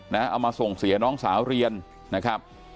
เอามาส่งเสียน้องสาวเรียนนะครับ